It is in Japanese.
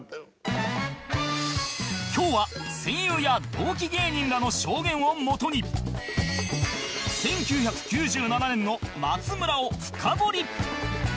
今日は戦友や同期芸人らの証言をもとに１９９７年の松村を深掘り